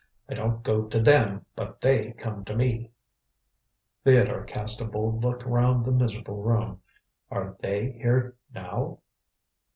I don't go to Them, but They come to me." Theodore cast a bold look round the miserable room. "Are They here now?"